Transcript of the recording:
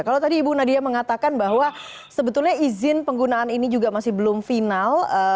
kalau tadi ibu nadia mengatakan bahwa sebetulnya izin penggunaan ini juga masih belum final